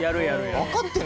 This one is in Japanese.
分かってる？